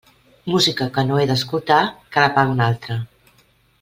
Música que no he d'escoltar, que la pague un altre.